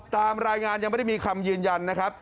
ตามรายงานยังไม่ได้มีคำยืนยันนะครับ